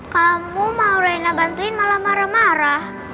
kamu mau reina bantuin malah marah marah